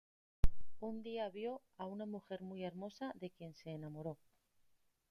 Un día vio a una mujer muy hermosa de quien se enamoró.